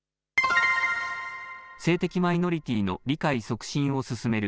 性的マイノリティーの理解促進を進める